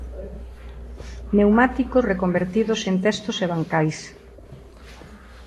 Pneumáticos reconvertidos en testos e bancais.